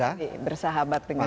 ya bersahabat dengan si